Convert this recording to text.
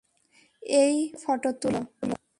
এই পোজে ফটো তুল!